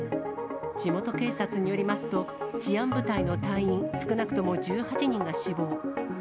地元警察によりますと、治安部隊の隊員少なくとも１８人が死亡。